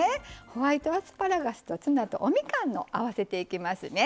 ホワイトアスパラガスとツナとおみかんの合わせていきますね。